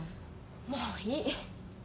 もういい。